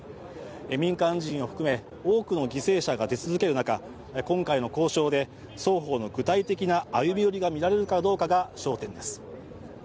民間人を含め、多くの犠牲者が出続ける中、今回の交渉で双方の具体的な歩み寄りがみられるかが焦点です。